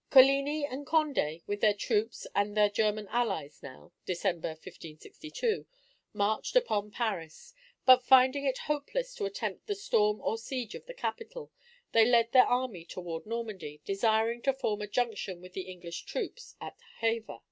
Coligni and Condé with their own troops and their German allies now (December, 1562) marched upon Paris; but finding it hopeless to attempt the storm or siege of the capital, they led their army toward Normandy, desiring to form a junction with the English troops at Havre.